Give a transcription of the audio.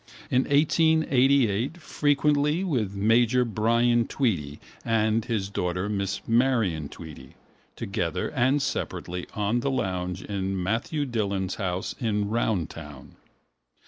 In 1888 frequently with major Brian Tweedy and his daughter Miss Marion Tweedy, together and separately on the lounge in Matthew Dillon's house in Roundtown.